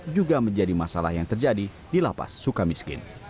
juga menjadi masalah yang terjadi di lapas suka miskin